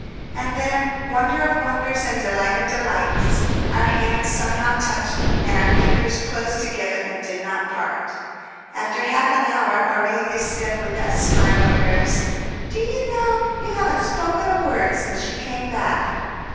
And then, wonder of wonders and delight of delights! our hands somehow touched, and our fingers closed together and did not part. After half an hour Aurelia said, with that smile of hers: "Do you know, you haven't spoken a word since you came back!"